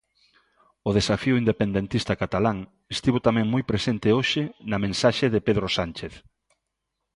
O desafío independentista catalán estivo tamén moi presente hoxe na mensaxe de Pedro Sánchez.